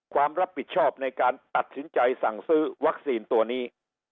ความรับผิดชอบในการตัดสินใจสั่งซื้อวัคซีนตัวนี้